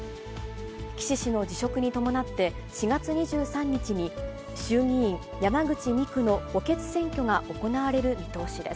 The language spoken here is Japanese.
岸氏の辞職に伴って、４月２３日に、衆議院山口２区の補欠選挙が行われる見通しです。